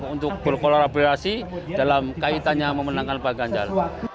untuk berkolaborasi dalam kaitannya memenangkan pak ganjar